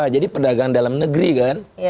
jadi perdagangan dalam negeri kan